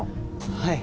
はい。